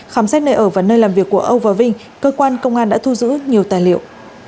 khám xét nơi ở và nơi làm việc của âu và vinh cơ quan công an đã thu giữ nhiều tài liệu